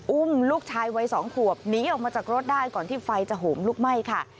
อุ้มลูกชายวัย๒ขวบหนีออกมาจากรถได้ก่อนที่ไฟจะโหมลุกไหม้ค่ะ